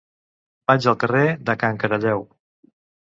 Vaig al carrer de Can Caralleu.